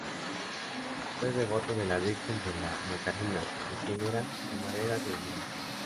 Fue devota de la Virgen de la Macarena, de quien era Camarera de Honor.